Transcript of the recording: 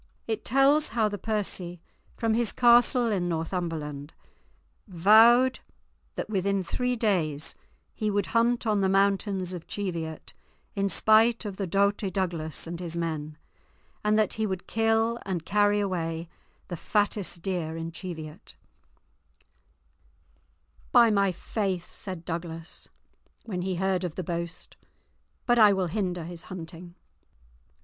It tells how the Percy, from his castle in Northumberland, vowed that within three days he would hunt on the mountains of Cheviot in spite of the doughty Douglas and his men, and that he would kill and carry away the fattest deer in Cheviot. "By my faith," said Douglas, when he heard of the boast, "but I will hinder his hunting."